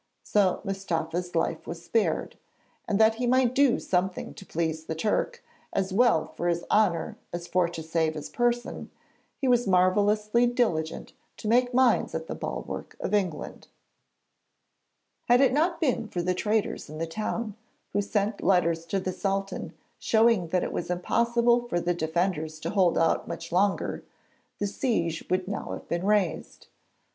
So Mustafa's life was spared, and 'that he might do something to please the Turk, as well for his honour as for to save his person, he was marvellously diligent to make mines at the bulwark of England.' [Illustration: DISCOVERING THE TRAITOR.] Had it not been for the traitors in the town who sent letters to the Sultan showing that it was impossible for the defenders to hold out much longer the siege would now have been raised.